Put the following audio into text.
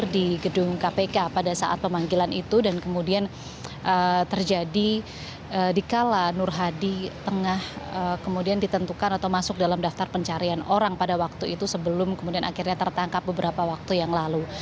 di gedung kpk pada saat pemanggilan itu dan kemudian terjadi dikala nur hadi tengah kemudian ditentukan atau masuk dalam daftar pencarian orang pada waktu itu sebelum kemudian akhirnya tertangkap beberapa waktu yang lalu